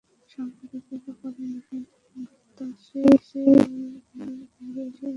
সাংবাদিকেরা পরে নাকি গাদ্দাফি স্টেডিয়ামের বাইরে বসে আফ্রিদির বিরুদ্ধে স্লোগান দিয়েছেন।